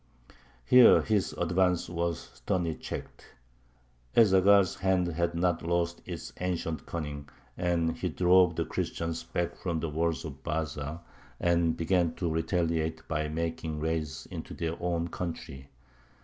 Here his advance was sternly checked; Ez Zaghal's hand had not lost its ancient cunning, and he drove the Christians back from the walls of Baza, and began to retaliate by making raids into their own country.